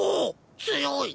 強い！